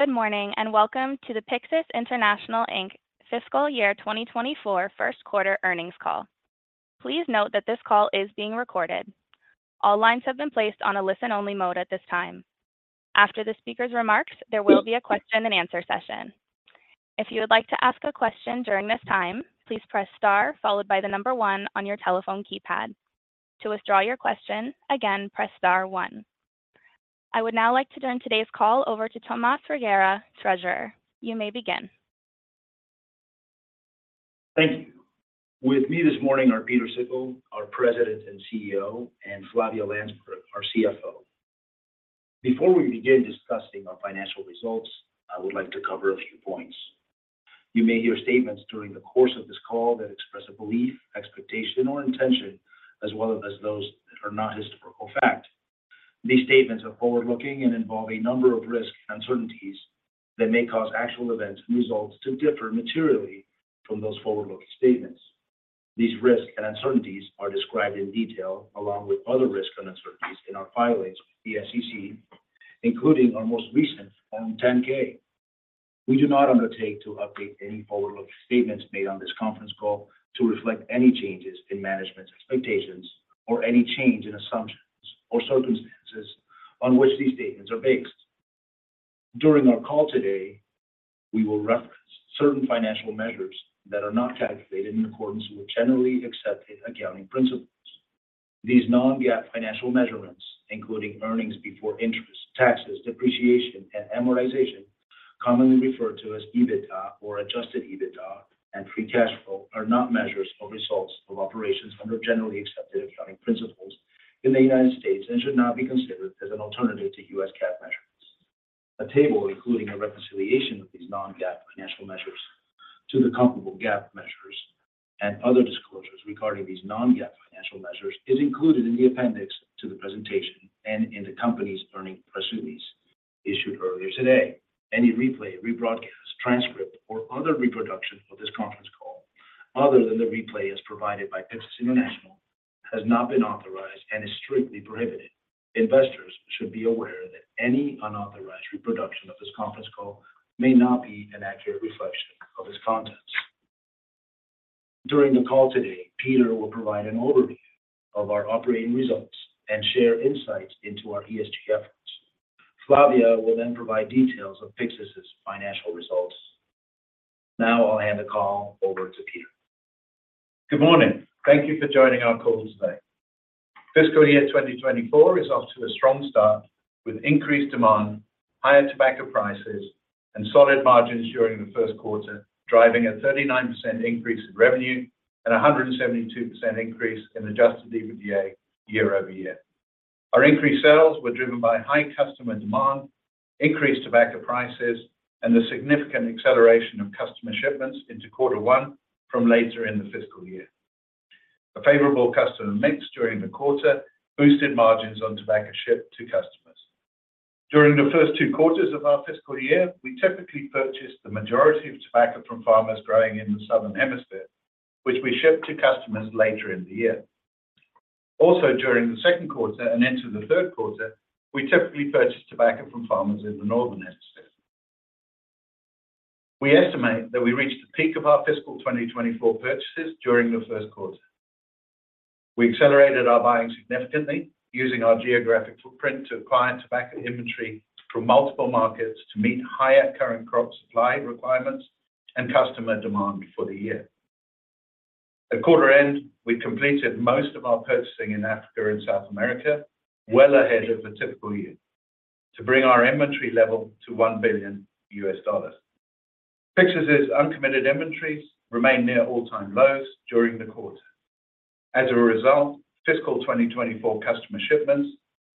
Good morning, and welcome to the Pyxus International Inc fiscal year 2024 first quarter earnings call. Please note that this call is being recorded. All lines have been placed on a listen-only mode at this time. After the speaker's remarks, there will be a question-and-answer session. If you would like to ask a question during this time, please press star followed by the number one on your telephone keypad. To withdraw your question, again, press star one. I would now like to turn today's call over to Tomás Grigera, Treasurer. You may begin. Thank you. With me this morning are Pieter Sikkel, our President and CEO, and Flavia Landsberg, our CFO. Before we begin discussing our financial results, I would like to cover a few points. You may hear statements during the course of this call that express a belief, expectation, or intention, as well as those that are not historical fact. These statements are forward-looking and involve a number of risks and uncertainties that may cause actual events and results to differ materially from those forward-looking statements. These risks and uncertainties are described in detail, along with other risks and uncertainties in our filings with the SEC, including our most recent Form 10-K. We do not undertake to update any forward-looking statements made on this conference call to reflect any changes in management's expectations or any change in assumptions or circumstances on which these statements are based. During our call today, we will reference certain financial measures that are not calculated in accordance with generally accepted accounting principles. These non-GAAP financial measurements, including earnings before interest, taxes, depreciation, and amortization, commonly referred to as EBITDA or Adjusted EBITDA and free cash flow, are not measures of results of operations under generally accepted accounting principles in the United States and should not be considered as an alternative to U.S. GAAP measures. A table including a reconciliation of these non-GAAP financial measures to the comparable GAAP measures and other disclosures regarding these non-GAAP financial measures is included in the appendix to the presentation and in the company's earnings press release issued earlier today. Any replay, rebroadcast, transcript, or other reproduction of this conference call, other than the replay as provided by Pyxus International, has not been authorized and is strictly prohibited. Investors should be aware that any unauthorized reproduction of this conference call may not be an accurate reflection of its contents. During the call today, Pieter will provide an overview of our operating results and share insights into our ESG efforts. Flavia will then provide details of Pyxus's financial results. Now I'll hand the call over to Pieter. Good morning. Thank you for joining our call today. Fiscal year 2024 is off to a strong start, with increased demand, higher tobacco prices, and solid margins during the first quarter, driving a 39% increase in revenue and a 172% increase in Adjusted EBITDA year-over-year. Our increased sales were driven by high customer demand, increased tobacco prices, and the significant acceleration of customer shipments into quarter one from later in the fiscal year. A favorable customer mix during the quarter boosted margins on tobacco shipped to customers. During the first two quarters of our fiscal year, we typically purchase the majority of tobacco from farmers growing in the Southern Hemisphere, which we ship to customers later in the year. During the second quarter and into the third quarter, we typically purchase tobacco from farmers in the Northern Hemisphere. We estimate that we reached the peak of our fiscal 2024 purchases during the first quarter. We accelerated our buying significantly, using our geographic footprint to acquire tobacco inventory from multiple markets to meet higher current crop supply requirements and customer demand for the year. At quarter end, we completed most of our purchasing in Africa and South America, well ahead of the typical year, to bring our inventory level to $1 billion. Pyxus's uncommitted inventories remained near all-time lows during the quarter. As a result, fiscal 2024 customer shipments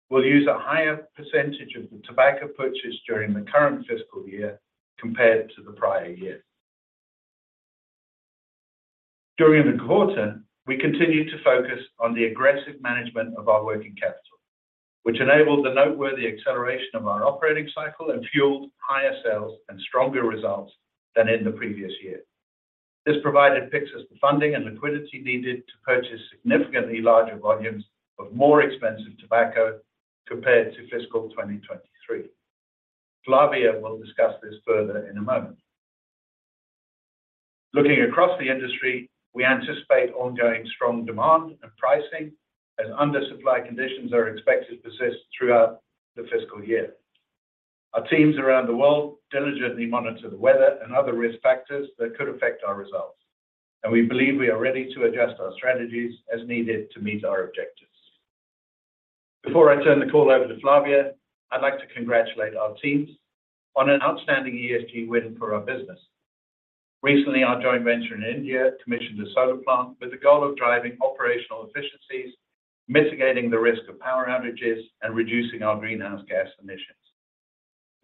will use a higher percentage of the tobacco purchased during the current fiscal year compared to the prior year. During the quarter, we continued to focus on the aggressive management of our working capital, which enabled the noteworthy acceleration of our operating cycle and fueled higher sales and stronger results than in the previous year. This provided Pyxus the funding and liquidity needed to purchase significantly larger volumes of more expensive tobacco compared to fiscal 2023. Flavia will discuss this further in a moment. Looking across the industry, we anticipate ongoing strong demand and pricing, as undersupply conditions are expected to persist throughout the fiscal year. Our teams around the world diligently monitor the weather and other risk factors that could affect our results, and we believe we are ready to adjust our strategies as needed to meet our objectives. Before I turn the call over to Flavia, I'd like to congratulate our teams on an outstanding ESG win for our business. Recently, our joint venture in India commissioned a solar plant with the goal of driving operational efficiencies, mitigating the risk of power outages, and reducing our greenhouse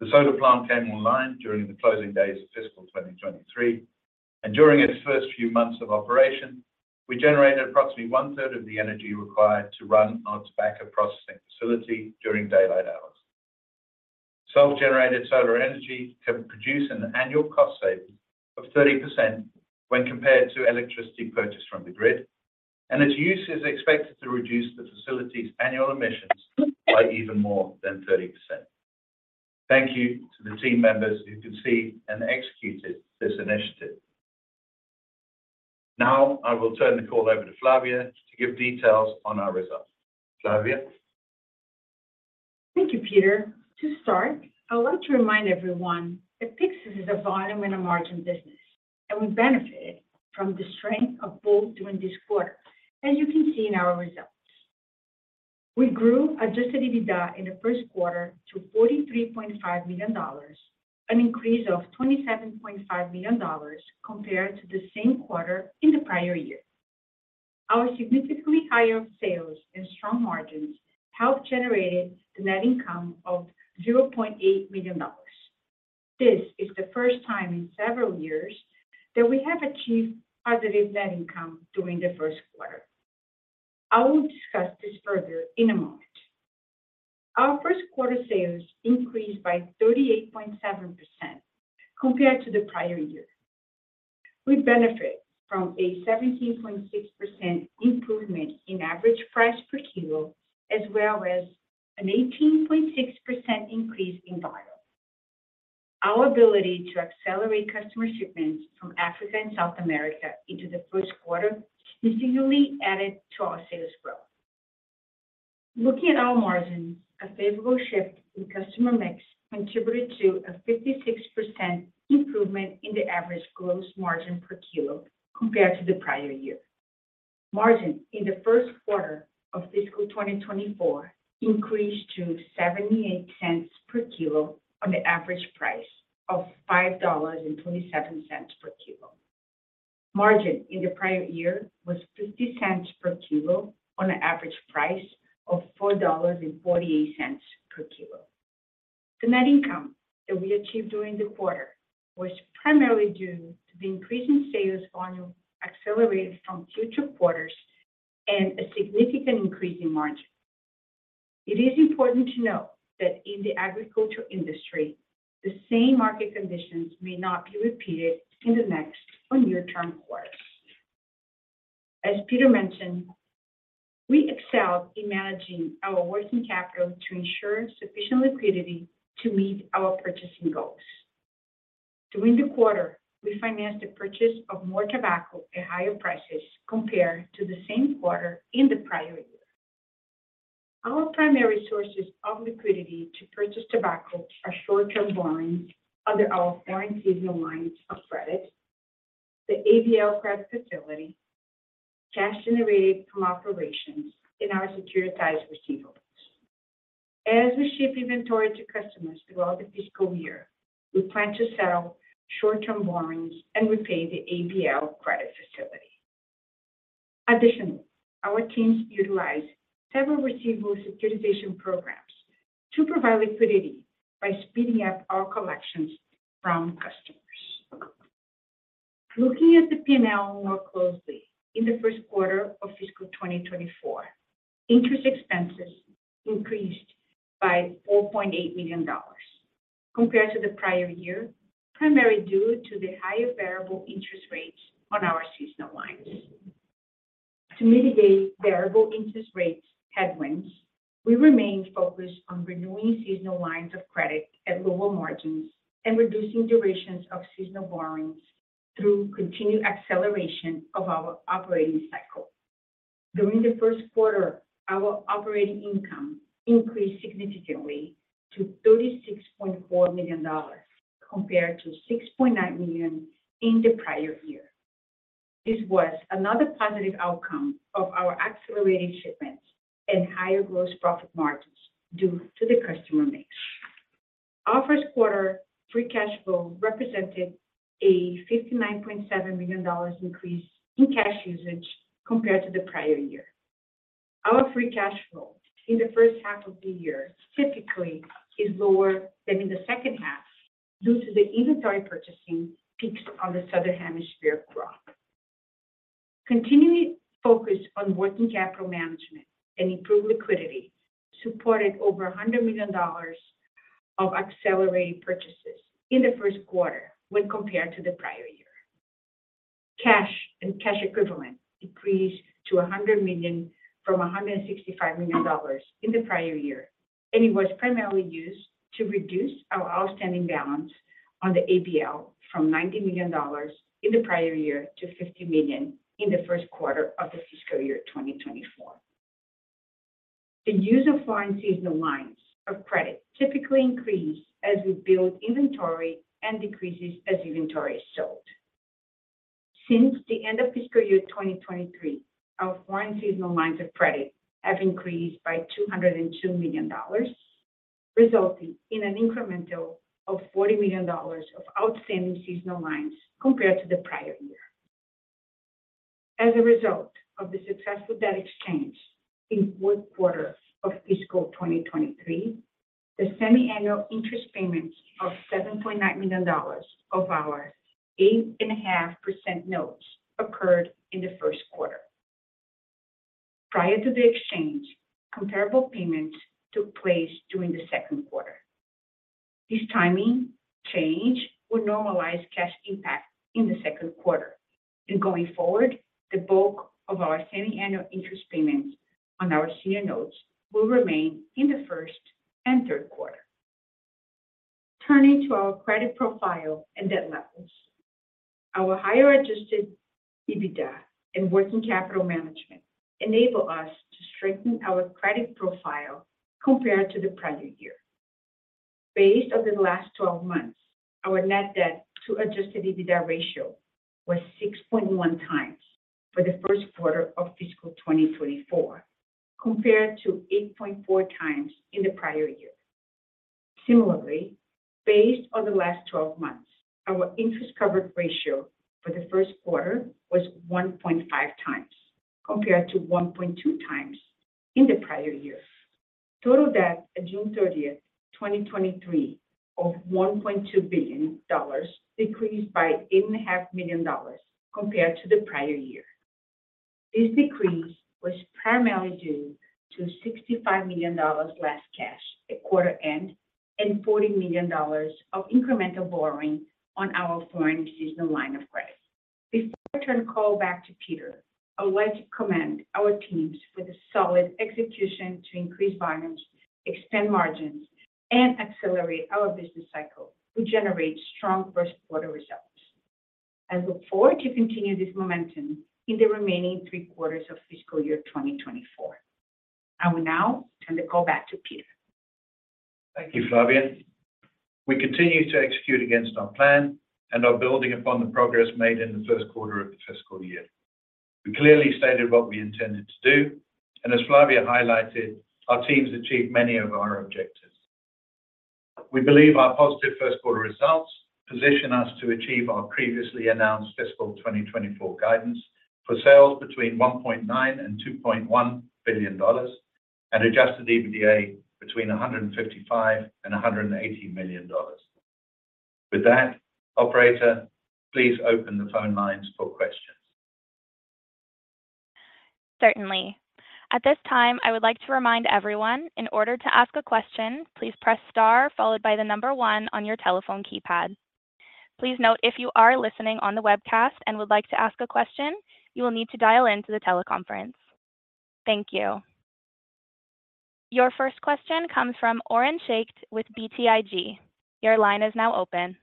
gas emissions. The solar plant came online during the closing days of fiscal 2023, and during its first few months of operation, we generated approximately one-third of the energy required to run our tobacco processing facility during daylight hours. Self-generated solar energy can produce an annual cost savings of 30% when compared to electricity purchased from the grid, and its use is expected to reduce the facility's annual emissions by even more than 30%. Thank you to the team members who conceived and executed this initiative. I will turn the call over to Flavia to give details on our results. Flavia? Thank you, Pieter. To start, I would like to remind everyone that Pyxus is a volume and a margin business. We benefited from the strength of both during this quarter, as you can see in our results. We grew Adjusted EBITDA in the first quarter to $43.5 million, an increase of $27.5 million compared to the same quarter in the prior year. Our significantly higher sales and strong margins helped generated the net income of $0.8 million. This is the first time in several years that we have achieved positive net income during the first quarter. I will discuss this further in a moment. Our first quarter sales increased by 38.7% compared to the prior year. We benefit from a 17.6% improvement in average price per kilo, as well as an 18.6% increase in volume. Our ability to accelerate customer shipments from Africa and South America into the first quarter significantly added to our sales growth. Looking at our margins, a favorable shift in customer mix contributed to a 56% improvement in the average gross margin per kilo compared to the prior year. Margin in the first quarter of fiscal 2024 increased to $0.78 per kilo on the average price of $5.27 per kilo. Margin in the prior year was $0.50 per kilo on an average price of $4.48 per kilo. The net income that we achieved during the quarter was primarily due to the increase in sales volume accelerated from future quarters and a significant increase in margin. It is important to note that in the agriculture industry, the same market conditions may not be repeated in the next or near-term quarters. As Pieter mentioned, we excel in managing our working capital to ensure sufficient liquidity to meet our purchasing goals. During the quarter, we financed the purchase of more tobacco at higher prices compared to the same quarter in the prior year. Our primary sources of liquidity to purchase tobacco are short-term borrowings under our foreign seasonal lines of credit, the ABL credit facility, cash generated from operations, and our securitized receivables. As we ship inventory to customers throughout the fiscal year, we plan to sell short-term borrowings and repay the ABL credit facility. Additionally, our teams utilize several receivable securitization programs to provide liquidity by speeding up our collections from customers. Looking at the P&L more closely, in the first quarter of fiscal 2024, interest expenses increased by $4.8 million compared to the prior year, primarily due to the higher variable interest rates on our seasonal lines. To mitigate variable interest rates headwinds, we remain focused on renewing seasonal lines of credit at lower margins and reducing durations of seasonal borrowings through continued acceleration of our operating cycle. During the first quarter, our operating income increased significantly to $36.4 million, compared to $6.9 million in the prior year. This was another positive outcome of our accelerating shipments and higher gross profit margins due to the customer mix. Our first quarter free cash flow represented a $59.7 million increase in cash usage compared to the prior year. Our free cash flow in the first half of the year typically is lower than in the second half, due to the inventory purchasing peaks on the Southern Hemisphere crop. Continuing focus on working capital management and improved liquidity supported over $100 million of accelerated purchases in the first quarter when compared to the prior year. Cash and cash equivalent increased to $100 million from $165 million in the prior year. It was primarily used to reduce our outstanding balance on the ABL from $90 million in the prior year to $50 million in the first quarter of the fiscal year 2024. The use of foreign seasonal lines of credit typically increase as we build inventory and decreases as inventory is sold. Since the end of fiscal year 2023, our foreign seasonal lines of credit have increased by $202 million, resulting in an incremental of $40 million of outstanding seasonal lines compared to the prior year. A result of the successful debt exchange in fourth quarter of fiscal 2023, the semiannual interest payments of $7.9 million of our 8.5% notes occurred in the first quarter. Prior to the exchange, comparable payments took place during the second quarter. Going forward, the bulk of our semiannual interest payments on our senior notes will remain in the first and third quarter. Turning to our credit profile and debt levels. Our higher Adjusted EBITDA and working capital management enable us to strengthen our credit profile compared to the prior year. Based on the last 12 months, our net debt to Adjusted EBITDA ratio was 6.1x for the first quarter of fiscal 2024, compared to 8.4x in the prior year. Similarly, based on the last 12 months, our interest coverage ratio for the first quarter was 1.5x, compared to 1.2x in the prior year. Total debt at June 30th, 2023, of $1.2 billion decreased by $8.5 million compared to the prior year. This decrease was primarily due to $65 million less cash at quarter end, and $40 million of incremental borrowing on our foreign seasonal line of credit. Before I turn the call back to Pieter, I would like to commend our teams for the solid execution to increase volumes, extend margins and accelerate our business cycle to generate strong first quarter results. I look forward to continue this momentum in the remaining three quarters of fiscal year 2024. I will now turn the call back to Pieter. Thank you, Flavia. We continue to execute against our plan and are building upon the progress made in the first quarter of the fiscal year. We clearly stated what we intended to do, and as Flavia highlighted, our teams achieved many of our objectives. We believe our positive first quarter results position us to achieve our previously announced fiscal 2024 guidance for sales between $1.9 billion and $2.1 billion, and Adjusted EBITDA between $155 million and $180 million. With that, operator, please open the phone lines for questions. Certainly. At this time, I would like to remind everyone, in order to ask a question, please press star followed by one on your telephone keypad. Please note, if you are listening on the webcast and would like to ask a question, you will need to dial in to the teleconference. Thank you. Your first question comes from Oren Schacht with BTIG. Your line is now open.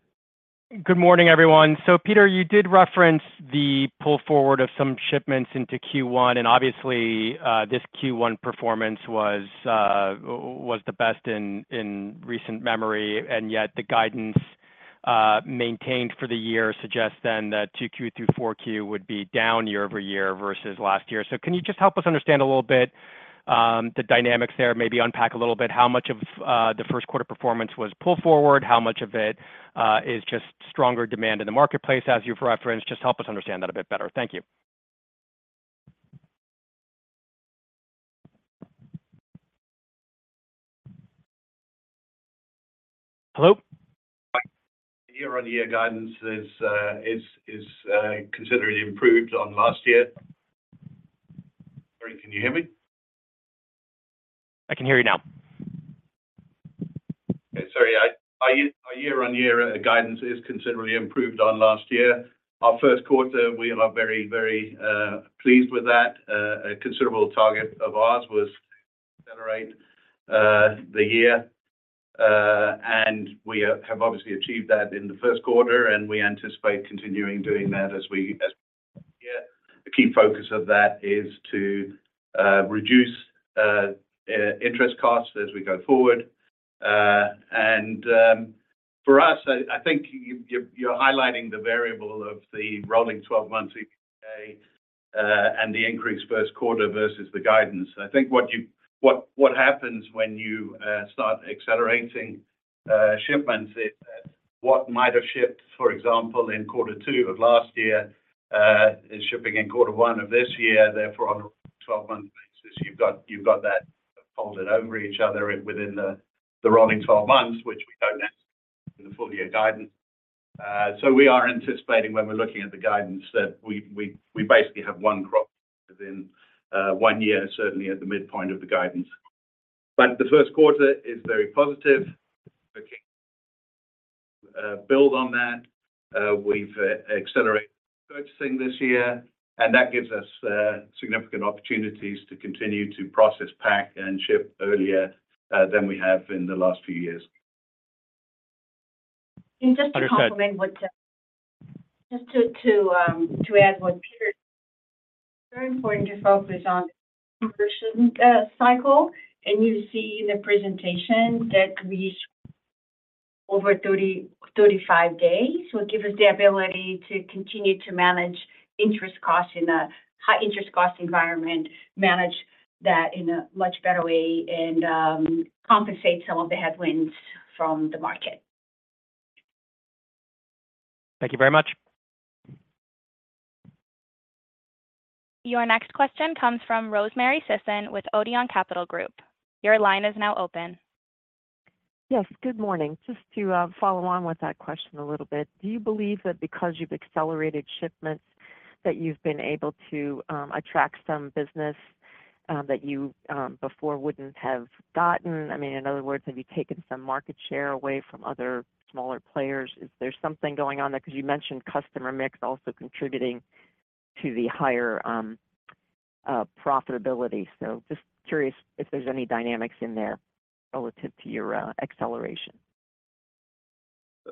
Good morning, everyone. Pieter, you did reference the pull forward of some shipments into Q1, and obviously, this Q1 performance was the best in recent memory, and yet the guidance maintained for the year suggests then that 2Q through 4Q would be down year-over-year versus last year. Can you just help us understand a little bit the dynamics there? Maybe unpack a little bit how much of the first quarter performance was pull forward, how much of it is just stronger demand in the marketplace, as you've referenced? Just help us understand that a bit better. Thank you. Hello? Year-on-year guidance is, is, is, considerably improved on last year. Sorry, can you hear me? I can hear you now. Sorry. Our year, our year-on-year guidance is considerably improved on last year. Our first quarter, we are very, very pleased with that. A considerable target of ours was accelerate the year. We have obviously achieved that in the first quarter, and we anticipate continuing doing that as we. Yeah. The key focus of that is to reduce interest costs as we go forward. For us, I, I think you're highlighting the variable of the rolling 12 months EBITDA and the increased first quarter versus the guidance. I think what, what happens when you start accelerating shipments is that what might have shipped, for example, in Q2 of last year, is shipping in Q1 of this year. Therefore, on a 12-month basis, you've got, you've got that folded over each other within the, the rolling 12 months, which we don't have in the full year guidance. We are anticipating when we're looking at the guidance that we, we, we basically have one crop within one year, certainly at the midpoint of the guidance. The first quarter is very positive. Okay, build on that, we've accelerated purchasing this year, and that gives us significant opportunities to continue to process, pack, and ship earlier than we have in the last few years. Understood. Just to complement what, just to, to, to add what Pieter. Very important to focus on conversion cycle. You see in the presentation that we over 30-35 days, will give us the ability to continue to manage interest costs in a high interest cost environment, manage that in a much better way and compensate some of the headwinds from the market. Thank you very much. Your next question comes from Rosemary Sisson with Odeon Capital Group. Your line is now open. Yes, good morning. Just to follow on with that question a little bit, do you believe that because you've accelerated shipments, that you've been able to attract some business that you before wouldn't have gotten? I mean, in other words, have you taken some market share away from other smaller players? Is there something going on there? Because you mentioned customer mix also contributing to the higher profitability. Just curious if there's any dynamics in there relative to your acceleration.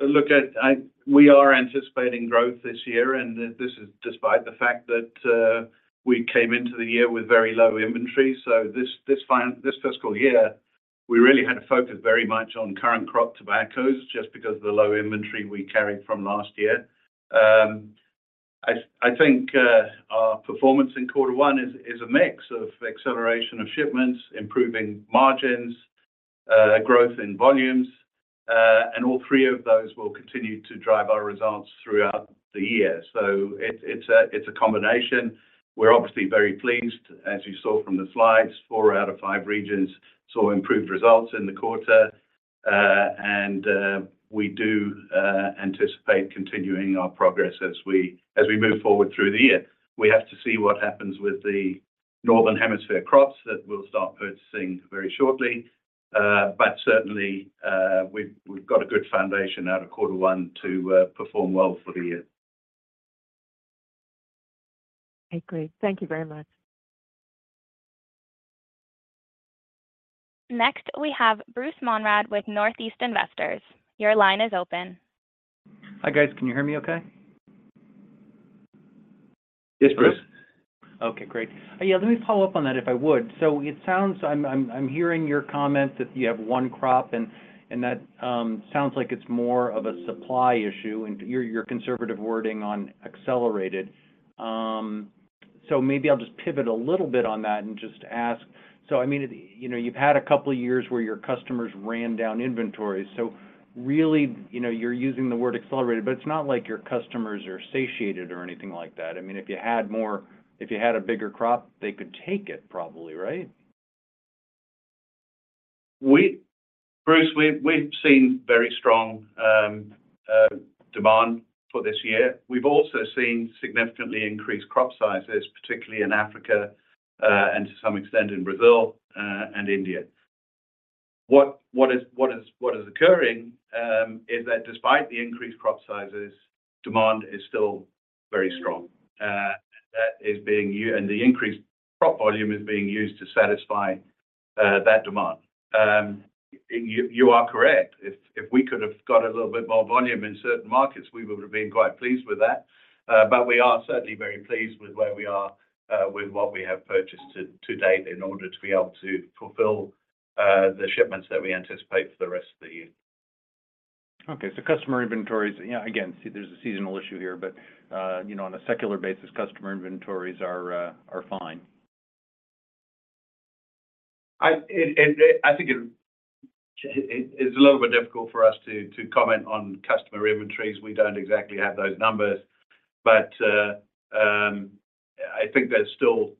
Look, I, I, we are anticipating growth this year, and this is despite the fact that we came into the year with very low inventory. This, this fiscal year, we really had to focus very much on current crop tobaccos, just because of the low inventory we carried from last year. I, I think our performance in quarter one is, is a mix of acceleration of shipments, improving margins, growth in volumes, and all three of those will continue to drive our results throughout the year. It's, it's a, it's a combination. We're obviously very pleased, as you saw from the slides, four out of five regions saw improved results in the quarter. We do anticipate continuing our progress as we, as we move forward through the year. We have to see what happens with the Northern Hemisphere crops that we'll start purchasing very shortly. Certainly, we've got a good foundation out of quarter one to perform well for the year. Okay, great. Thank you very much. Next, we have Bruce Monrad with Northeast Investors. Your line is open. Hi, guys. Can you hear me okay? Yes, Bruce. Okay, great. Yeah, let me follow up on that, if I would. It sounds. I'm hearing your comments that you have one crop, and that sounds like it's more of a supply issue, and your, your conservative wording on accelerated. Maybe I'll just pivot a little bit on that and just ask, I mean, you know, you've had a couple of years where your customers ran down inventories, really, you know, you're using the word accelerated, but it's not like your customers are satiated or anything like that. I mean, if you had more, if you had a bigger crop, they could take it probably, right? Bruce, we've, we've seen very strong demand for this year. We've also seen significantly increased crop sizes, particularly in Africa and to some extent in Brazil and India. What, what is, what is, what is occurring is that despite the increased crop sizes, demand is still very strong. That is being and the increased crop volume is being used to satisfy that demand. You, you are correct. If, if we could have got a little bit more volume in certain markets, we would have been quite pleased with that. We are certainly very pleased with where we are with what we have purchased to date in order to be able to fulfill the shipments that we anticipate for the rest of the year. Okay, customer inventories, yeah, again, there's a seasonal issue here, but, you know, on a secular basis, customer inventories are fine. I think it's a little bit difficult for us to comment on customer inventories. We don't exactly have those numbers. I think there's still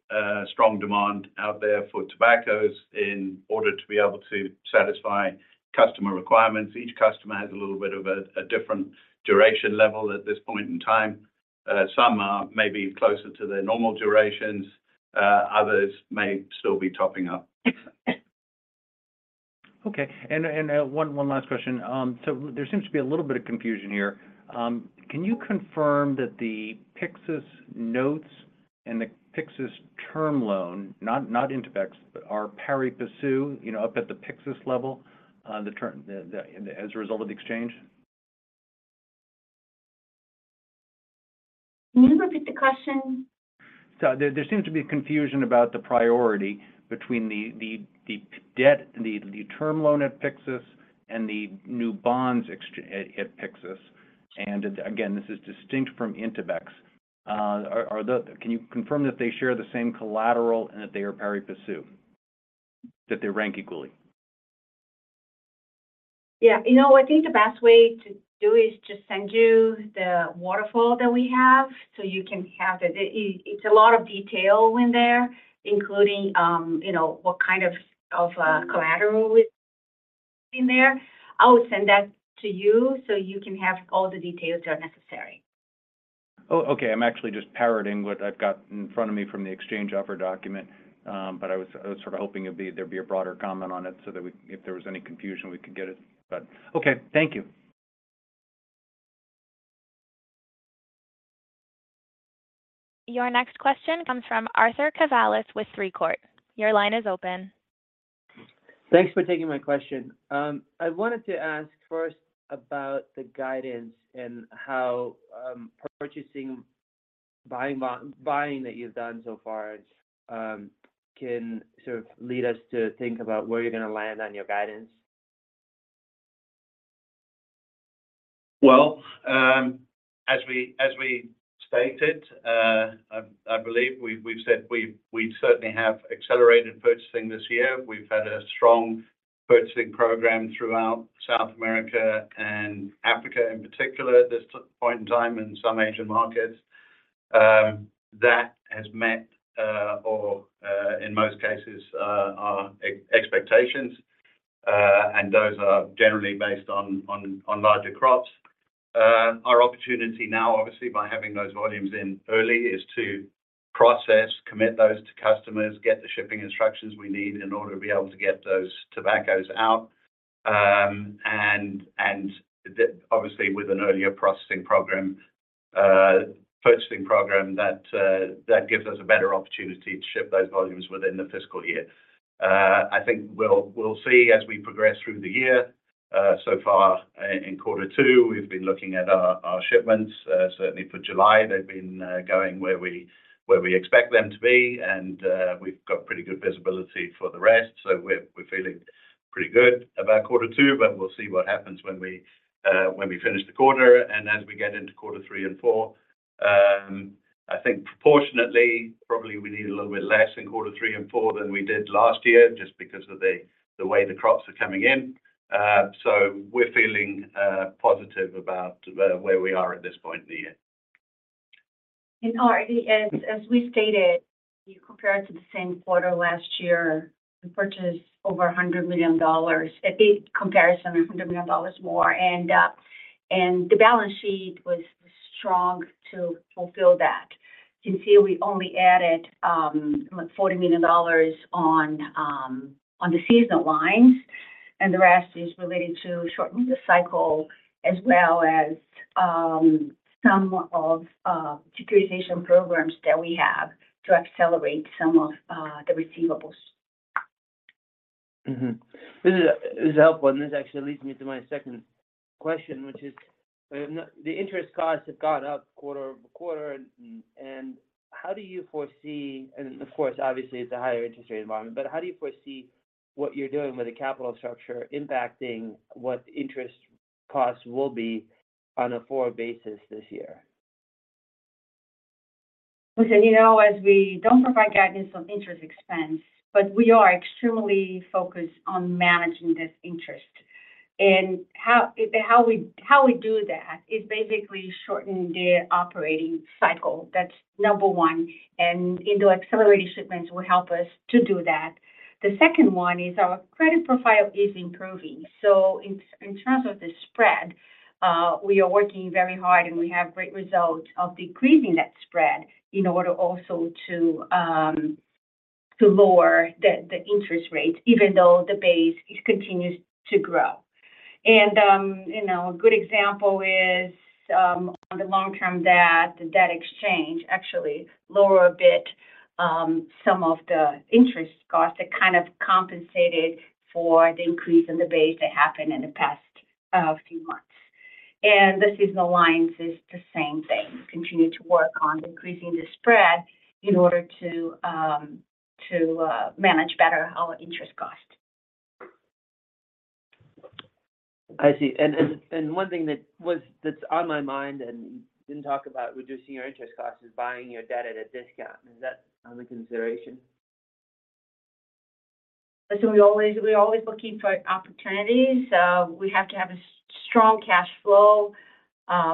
strong demand out there for tobaccos in order to be able to satisfy customer requirements. Each customer has a little bit of a different duration level at this point in time. Some are maybe closer to their normal durations, others may still be topping up. One, one last question. There seems to be a little bit of confusion here. Can you confirm that the Pyxus notes and the Pyxus term loan, not, not Intabex, but are pari passu, you know, up at the Pyxus level, as a result of the exchange? Can you repeat the question? There, there seems to be confusion about the priority between the, the, the debt, the, the term loan at Pyxus and the new bonds at, at Pyxus. Again, this is distinct from Intabex. Are, are can you confirm that they share the same collateral and that they are pari passu, that they rank equally? You know, I think the best way to do is just send you the waterfall that we have, so you can have it. It's a lot of detail in there, including, you know, what kind of collateral is in there. I will send that to you, so you can have all the details that are necessary. Oh, okay. I'm actually just parroting what I've got in front of me from the exchange offer document. I was sort of hoping there'd be a broader comment on it so that we, if there was any confusion, we could get it. Okay, thank you. Your next question comes from Arthur Cavalas with Three Quart. Your line is open. Thanks for taking my question. I wanted to ask first about the guidance and how purchasing, buying buying that you've done so far, can sort of lead us to think about where you're gonna land on your guidance? As we stated, I believe we've said we certainly have accelerated purchasing this year. We've had a strong purchasing program throughout South America and Africa in particular at this point in time, and some Asian markets. That has met, or, in most cases, our expectations, and those are generally based on larger crops. Our opportunity now, obviously, by having those volumes in early, is to process, commit those to customers, get the shipping instructions we need in order to be able to get those tobaccos out. Obviously, with an earlier processing program, purchasing program, that gives us a better opportunity to ship those volumes within the fiscal year. I think we'll see as we progress through the year. So far, in quarter two, we've been looking at our, our shipments. Certainly for July, they've been going where we, where we expect them to be, and we've got pretty good visibility for the rest, so we're, we're feeling pretty good about quarter two. We'll see what happens when we finish the quarter and as we get into Q3 and Q4. I think proportionately, probably we need a little bit less in quarter three and four than we did last year, just because of the, the way the crops are coming in. We're feeling positive about where we are at this point in the year. Already, as, as we stated, you compare it to the same quarter last year, we purchased over $100 million. At the comparison, $100 million more, and the balance sheet was strong to fulfill that. You can see we only added, like $40 million on the seasonal lines, and the rest is related to shortening the cycle, as well as, some of securitization programs that we have to accelerate some of the receivables. This is, this is helpful, and this actually leads me to my second question, which is, the interest costs have gone up quarter-over-quarter. Of course, obviously, it's a higher interest rate environment, but how do you foresee what you're doing with the capital structure impacting what interest costs will be on a forward basis this year? You know, as we don't provide guidance on interest expense, but we are extremely focused on managing this interest. How, how we, how we do that is basically shorten the operating cycle, that's number one, and into accelerated shipments will help us to do that. The second one is our credit profile is improving. In, in terms of the spread, we are working very hard, and we have great results of decreasing that spread in order also to lower the interest rates, even though the base continues to grow. You know, a good example is on the long-term debt, the debt exchange actually lower a bit some of the interest costs that kind of compensated for the increase in the base that happened in the past few months. The seasonal lines is the same thing, continue to work on decreasing the spread in order to, to manage better our interest cost. I see. One thing that's on my mind, and you didn't talk about reducing your interest costs, is buying your debt at a discount. Is that under consideration? We always, we're always looking for opportunities. We have to have a strong cash flow,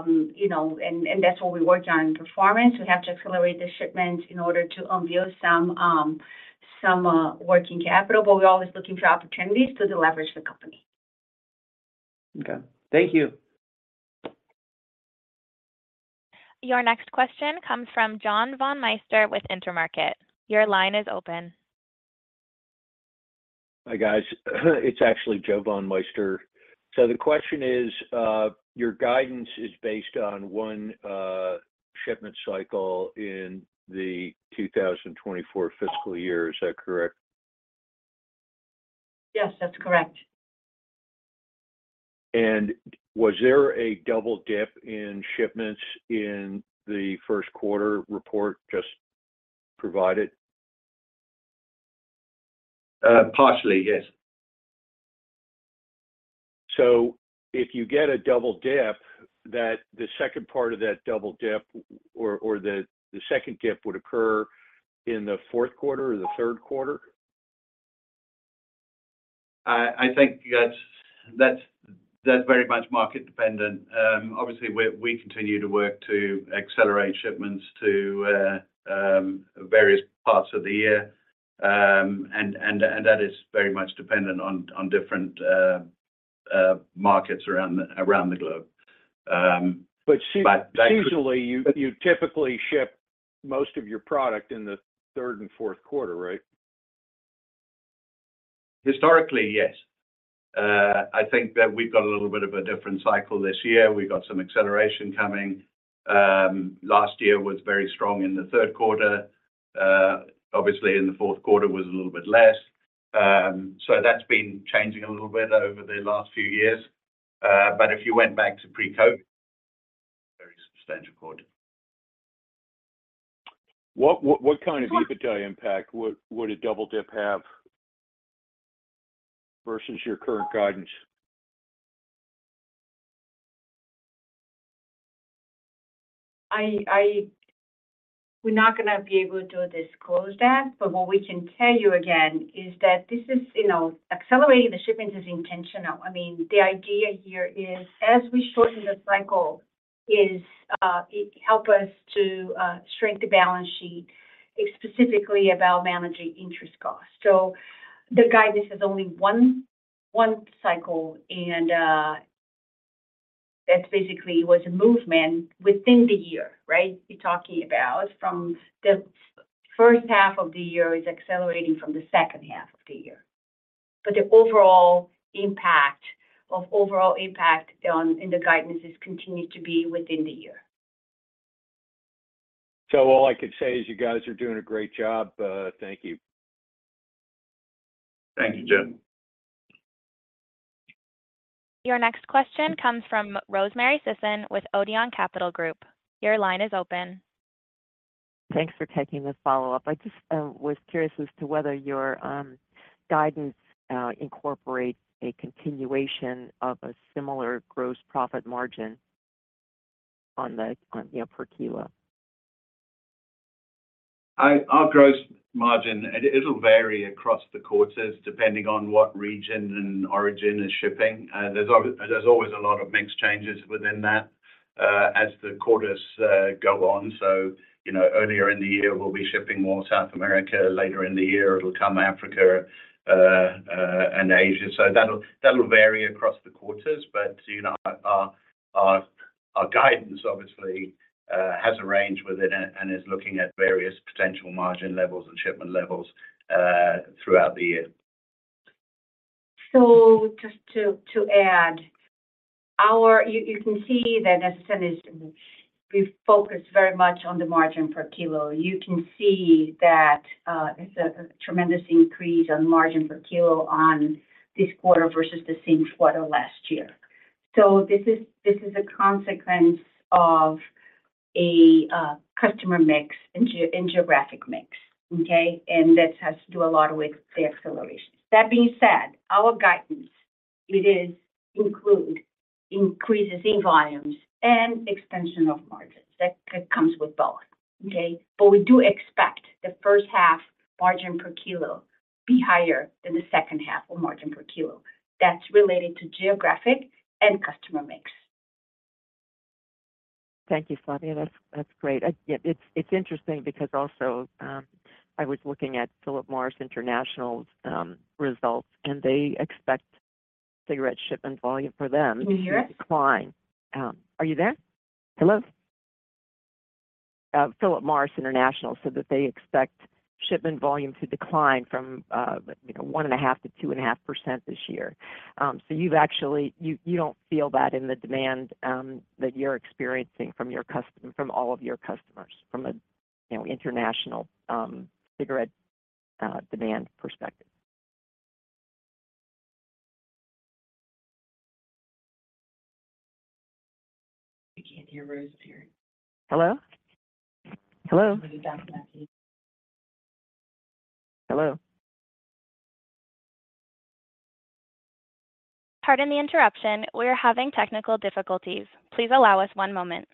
you know, and, and that's what we work on in performance. We have to accelerate the shipment in order to unveil some, some, working capital, but we're always looking for opportunities to deleverage the company. Okay. Thank you. Your next question comes from Joe Von Meister with Intermarket. Your line is open. Hi, guys. It's actually Joe Von Meister. The question is, your guidance is based on one shipment cycle in the 2024 fiscal year. Is that correct? Yes, that's correct. Was there a double dip in shipments in the first quarter report just provided? Partially, yes. If you get a double dip, that the second part of that double dip or the second dip would occur in the fourth quarter or the third quarter? I think that's very much market dependent. Obviously, we continue to work to accelerate shipments to various parts of the year. That is very much dependent on different markets around the globe. See, usually, you typically ship most of your product in the third and fourth quarter, right? Historically, yes. I think that we've got a little bit of a different cycle this year. We got some acceleration coming. Last year was very strong in the third quarter. Obviously, in the fourth quarter was a little bit less. So that's been changing a little bit over the last few years. But if you went back to pre-COVID, very substantial quarter. What, what, what kind of EBITDA impact would, would a double dip have versus your current guidance? We're not gonna be able to disclose that, but what we can tell you again is that this is, you know, accelerating the shipments is intentional. I mean, the idea here is as we shorten the cycle, is, it help us to shrink the balance sheet. It's specifically about managing interest costs. The guidance is only one, one cycle, and that basically was a movement within the year, right? You're talking about from the first half of the year is accelerating from the second half of the year. The overall impact, of overall impact on, in the guidance is continued to be within the year. All I can say is you guys are doing a great job. Thank you. Thank you, Joe. Your next question comes from Rosemary Sisson with Odeon Capital Group. Your line is open. Thanks for taking this follow-up. I just was curious as to whether your guidance incorporates a continuation of a similar gross profit margin on the, yeah, per kilo? Our gross margin, it'll vary across the quarters depending on what region and origin is shipping. There's always, there's always a lot of mix changes within that as the quarters go on. Earlier in the year, we'll be shipping more South America. Later in the year, it'll come Africa and Asia. That'll, that'll vary across the quarters, but, you know, our, our, our guidance obviously has a range with it and, and is looking at various potential margin levels and shipment levels throughout the year. Just to, to add, our—you, you can see that as soon as we focus very much on the margin per kilo, you can see that it's a, a tremendous increase on margin per kilo on this quarter versus the same quarter last year. This is, this is a consequence of a customer mix and geographic mix, okay? That has to do a lot with the acceleration. That being said, our guidance, it is include increases in volumes and expansion of margins. That comes with both, okay. We do expect the first half margin per kilo be higher than the second half of margin per kilo. That's related to geographic and customer mix. Thank you, Flavia. That's, that's great. Yeah, it's, it's interesting because also, I was looking at Philip Morris International's results, and they expect cigarette shipment volume for them. Can you hear us? To decline. Are you there? Hello? Philip Morris International said that they expect shipment volume to decline from, you know, 1.5%-2.5% this year. You've actually, you, you don't feel that in the demand that you're experiencing from your customer, from all of your customers, from a, you know, international cigarette demand perspective. We can't hear Rose, here. Hello? Hello. We got message. Hello? Pardon the interruption. We are having technical difficulties. Please allow us one moment.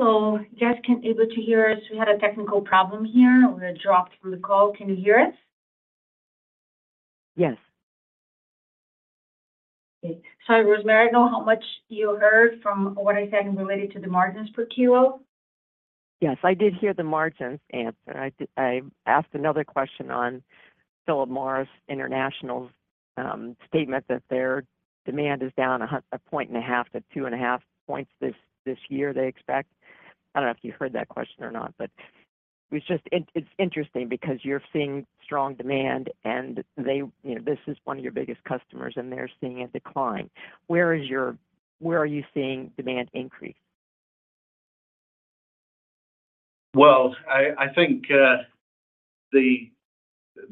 Hello, you guys can able to hear us? We had a technical problem here. We're dropped from the call. Can you hear us? Yes. Okay. Rosemary, I don't know how much you heard from what I said related to the margins per kilo. Yes, I did hear the margins answer. I did, I asked another question on Philip Morris International's statement that their demand is down 1.5%-2.5% this year, they expect. I don't know if you heard that question or not, but it's just, it's interesting because you're seeing strong demand, and they, you know, this is one of your biggest customers, and they're seeing a decline. Where are you seeing demand increase? Well, I, I think,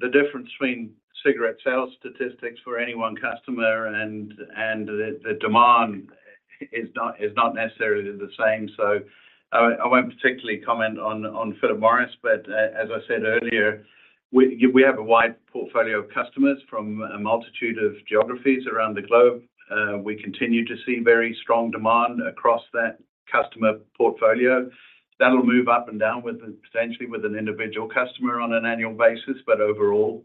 the difference between cigarette sales statistics for any one customer and the demand is not necessarily the same. I won't particularly comment on Philip Morris, but, as I said earlier, we have a wide portfolio of customers from a multitude of geographies around the globe. We continue to see very strong demand across that customer portfolio. That'll move up and down with, potentially with an individual customer on an annual basis, but overall,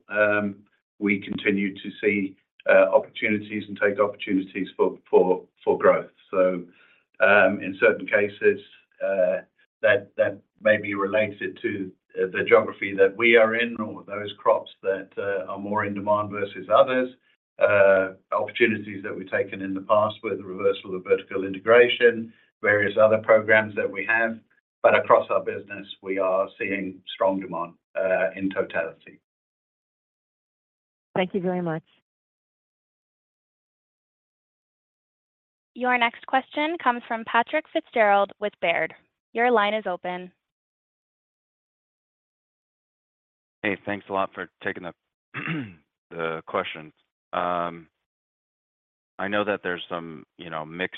we continue to see opportunities and take opportunities for growth. In certain cases, that, that may be related to the geography that we are in or those crops that are more in demand versus others, opportunities that we've taken in the past with the reversal of vertical integration, various other programs that we have, but across our business, we are seeing strong demand in totality. Thank you very much. Your next question comes from Patrick Fitzgerald with Baird. Your line is open. Hey, thanks a lot for taking the, the question. I know that there's some, you know, mix,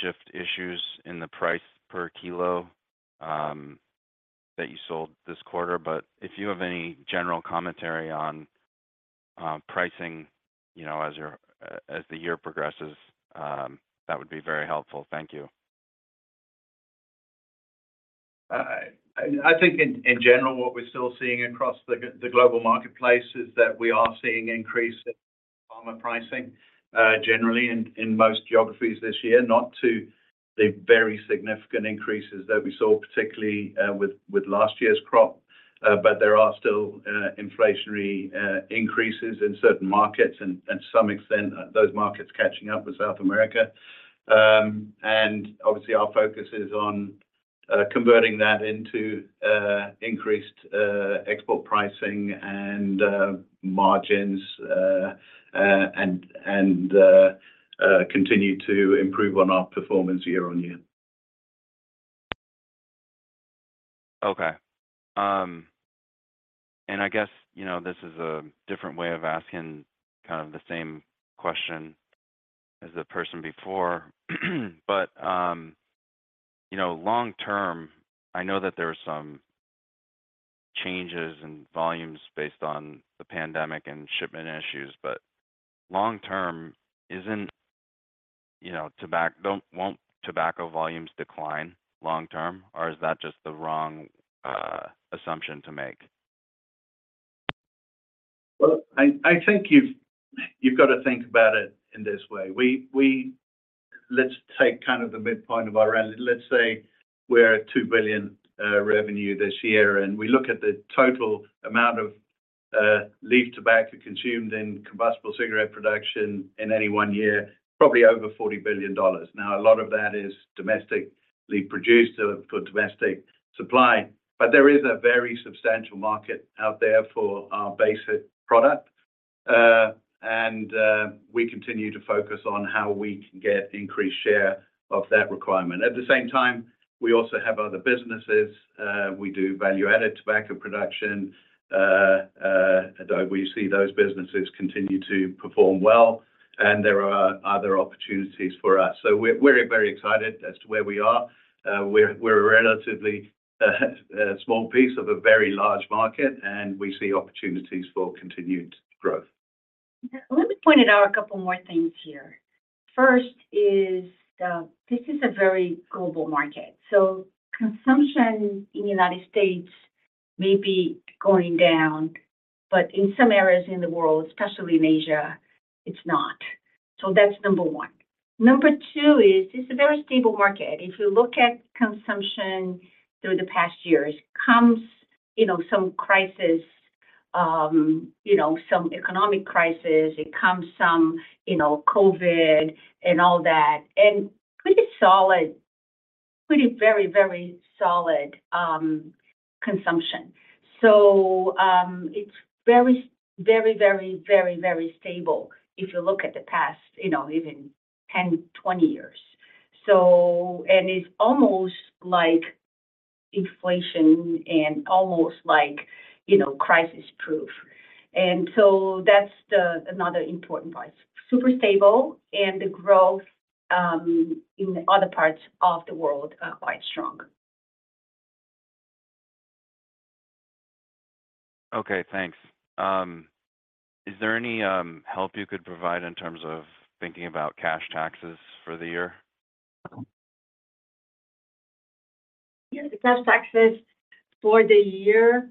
shift issues in the price per kilo, that you sold this quarter, but if you have any general commentary on pricing, you know, as the year progresses, that would be very helpful. Thank you. I, I think in, in general, what we're still seeing across the global marketplace is that we are seeing increase in farmer pricing, generally in, in most geographies this year, not to the very significant increases that we saw, particularly, with, with last year's crop. There are still, inflationary, increases in certain markets and, and to some extent, those markets catching up with South America. Obviously, our focus is on, converting that into, increased, export pricing and, margins, and, continue to improve on our performance year-over-year. Okay. I guess, you know, this is a different way of asking kind of the same question as the person before. You know, long term, I know that there are some changes in volumes based on the pandemic and shipment issues, but long term, isn't, you know, don't, won't tobacco volumes decline long term, or is that just the wrong assumption to make? Well, I, I think you've, you've got to think about it in this way. Let's take kind of the midpoint of our revenue. Let's say we're at $2 billion revenue this year, and we look at the total amount of leaf tobacco consumed in combustible cigarette production in any one year, probably over $40 billion. Now, a lot of that is domestically produced for domestic supply, but there is a very substantial market out there for our basic product. We continue to focus on how we can get increased share of that requirement. At the same time, we also have other businesses. We do value-added tobacco production, though we see those businesses continue to perform well, and there are other opportunities for us. We're, we're very excited as to where we are. We're, we're a relatively, small piece of a very large market, and we see opportunities for continued growth. Let me point out a couple more things here. First is, this is a very global market, so consumption in the United States may be going down, but in some areas in the world, especially in Asia, it's not. That's number one. Number two is it's a very stable market. If you look at consumption through the past years, comes, you know, some crisis, you know, some economic crisis, it comes some, you know, COVID and all that, and pretty solid, pretty very, very solid consumption. It's very, very, very, very, very stable if you look at the past, you know, even 10, 20 years. It's almost like inflation and almost like, you know, crisis-proof. That's the, another important part. Super stable, the growth in other parts of the world are quite strong. Okay, thanks. Is there any help you could provide in terms of thinking about cash taxes for the year? Yeah, the cash taxes for the year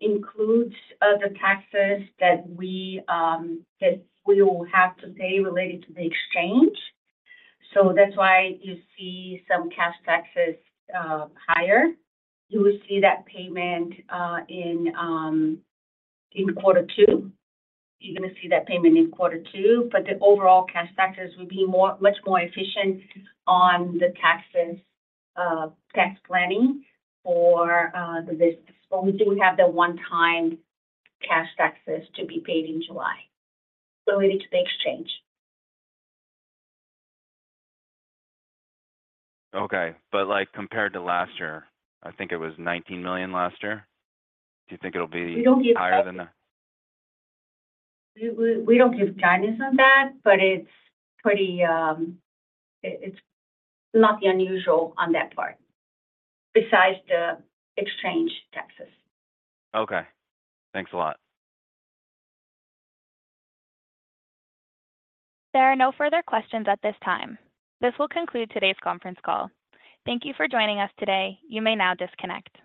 includes the taxes that we that we will have to pay related to the exchange. That's why you see some cash taxes higher. You will see that payment in quarter two. You're gonna see that payment in quarter two. The overall cash taxes will be more, much more efficient on the taxes, tax planning for the business. We do have the one-time cash taxes to be paid in July related to the exchange. Okay, but like, compared to last year, I think it was $19 million last year. Do you think it'll be- We don't give. Higher than the. We, we, we don't give guidance on that, but it's pretty, it, it's not unusual on that part, besides the exchange taxes. Okay. Thanks a lot. There are no further questions at this time. This will conclude today's conference call. Thank you for joining us today. You may now disconnect.